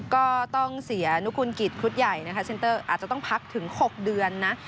ก็ต้องเสียนุกุลกิจชุดใหญ่นะคะเซ็นเตอร์อาจจะต้องพักถึง๖เดือนนะ